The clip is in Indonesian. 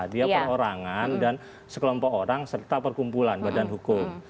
dia perorangan dan sekelompok orang serta perkumpulan badan hukum